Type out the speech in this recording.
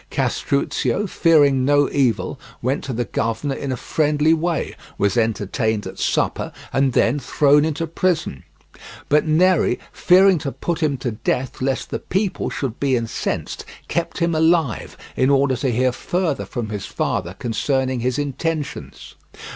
Castruccio, fearing no evil, went to the governor in a friendly way, was entertained at supper, and then thrown into prison. But Neri, fearing to put him to death lest the people should be incensed, kept him alive, in order to hear further from his father concerning his intentions.